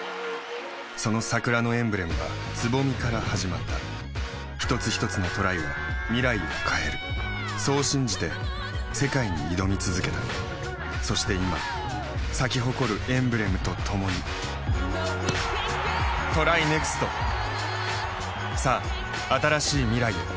その桜のエンブレムは蕾から始まった一つひとつのトライが未来を変えるそう信じて世界に挑み続けたそして今咲き誇るエンブレムとともにＴＲＹＮＥＸＴさあ、新しい未来へ。